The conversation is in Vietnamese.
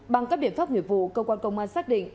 bằng các biện pháp nghiệp vụ cơ quan công an xác định